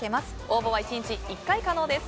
応募は１日１回可能です。